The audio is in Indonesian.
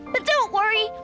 tapi jangan khawatir